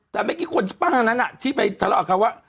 แต่เมื่อกี้คนป้านั้นน่ะที่ไปทะเลาะครับว่า